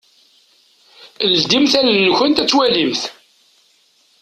Ldimt allen-nkunt ad twalimt.